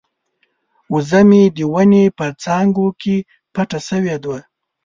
وزه مې د ونې په څانګو کې پټه شوې ده.